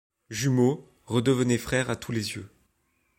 Jumeaux, redevenez frères à tous les yeux.